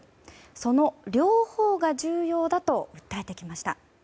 その両方が重要だと訴えてきました。